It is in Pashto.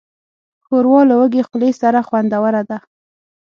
ښوروا له وږې خولې سره خوندوره ده.